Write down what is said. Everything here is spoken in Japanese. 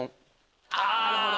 なるほど。